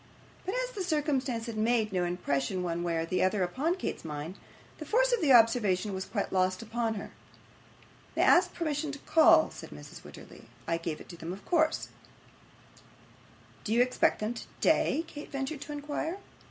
But as the circumstance had made no impression one way or other upon Kate's mind, the force of the observation was quite lost upon her. 'They asked permission to call,' said Mrs. Wititterly. 'I gave it them of course.' 'Do you expect them today?' Kate ventured to inquire.